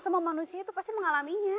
semua manusia itu pasti mengalaminya